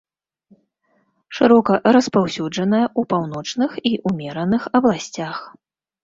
Шырока распаўсюджаная ў паўночных і ўмераных абласцях.